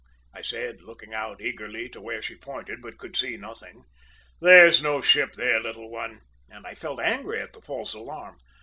I said, looking out eagerly to where she pointed, but could see nothing. `There's no ship there, little one!' and I felt angry at the false alarm.